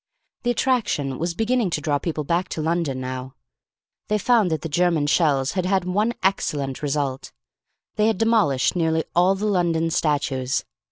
The attraction was beginning to draw people back to London now. They found that the German shells had had one excellent result, they had demolished nearly all the London statues.